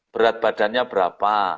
berat badannya berapa